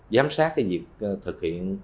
giám sát việc thực hiện